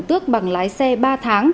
tước bằng lái xe ba tháng